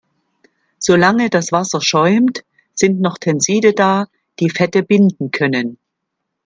Solange das Wasser schäumt, sind noch Tenside da, die Fette binden können.